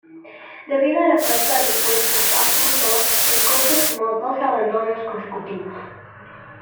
Debido a la falta de puesta a punto el coche sumó dos abandonos consecutivos.